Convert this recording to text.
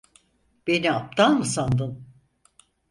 Beni aptal mı sandın?